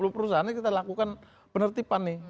lima puluh perusahaan ini kita lakukan penertiban nih